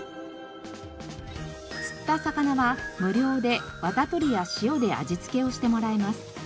釣った魚は無料でワタ取りや塩で味付けをしてもらえます。